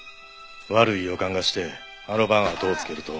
悪い予感がしてあの晩あとをつけると。